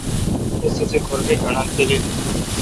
اس تسے کھر مُر گݨڈیل۔